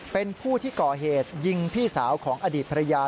เป็นผู้ที่ก่อเหตุยิงพี่สาวของอดีตภรรยา